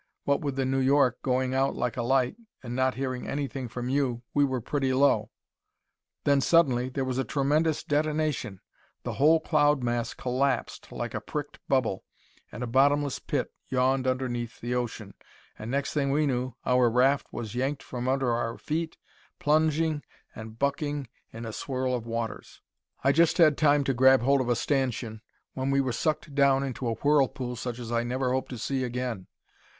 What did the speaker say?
What with the New York going out like a light, and not hearing anything from you, we were pretty low. "Then, suddenly, there was a tremendous detonation. The whole cloud mass collapsed like a pricked bubble, and a bottomless pit yawned underneath the ocean and, next thing we knew, our raft was yanked from under our feet, plunging and bucking in a swirl of waters. "I just had time to grab hold of a stanchion, when we were sucked down into a whirlpool such as I never hope to see again.